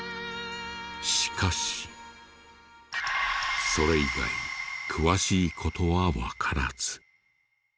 しかしそれ以外詳しい事はわからず。